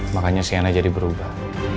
makanya sienna jadi berubah